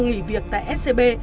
nghỉ việc tại scb